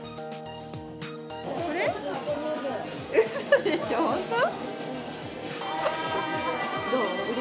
これ？